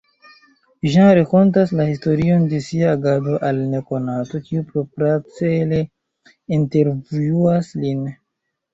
Jean rakontas la historion de sia agado al nekonato, kiu propracele intervjuas lin.